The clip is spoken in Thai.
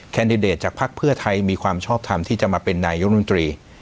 แดดิเดตจากภักดิ์เพื่อไทยมีความชอบทำที่จะมาเป็นนายกรมนตรี